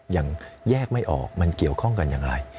ยังแยกไม่ออกมันเกี่ยวข้องกันอย่างไร